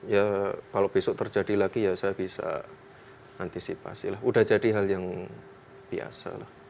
ya kalau besok terjadi lagi ya saya bisa antisipasi lah udah jadi hal yang biasa lah